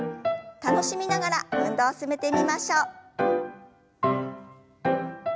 楽しみながら運動を進めてみましょう。